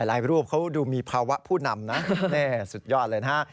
รูปเขาดูมีภาวะผู้นำนะสุดยอดเลยนะฮะ